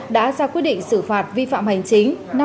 đã ra quyết định xử phạt vi phạm hành chính